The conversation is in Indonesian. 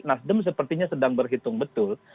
nasdem sepertinya sedang berhitung betul